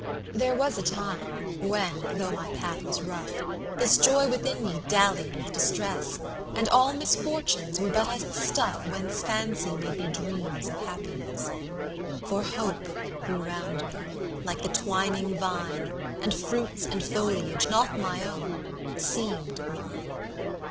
VIThere was a time when, though my path was rough, This joy within me dallied with distress, And all misfortunes were but as the stuffWhence Fancy made me dreams of happiness:For hope grew round me, like the twining vine, And fruits, and foliage, not my own, seemed mine.